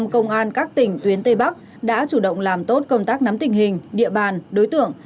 một trăm linh công an các tỉnh tuyến tây bắc đã chủ động làm tốt công tác nắm tình hình địa bàn đối tượng